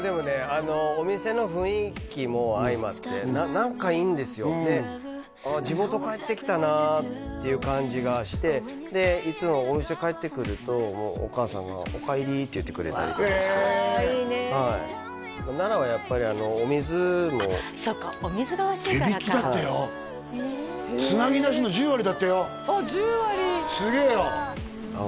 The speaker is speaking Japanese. あのお店の雰囲気も相まって何かいいんですよで地元帰ってきたなっていう感じがしてでいつもお店帰ってくるともうお母さんが「おかえり」って言ってくれたりとかしてはい奈良はやっぱりお水もそっかお水がおいしいからか手びきだってよつなぎなしの十割だってよあっ十割すげえよあっ